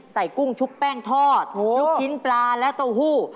กุ้งชุบแป้งทอดลูกชิ้นปลาและเต้าหู้